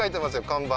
看板